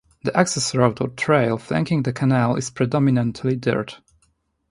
The access road or "trail" flanking the canal is predominately dirt.